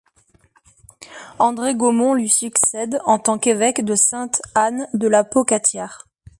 André Gaumond lui succède en tant qu'évêque de Sainte-Anne-de-la-Pocatière.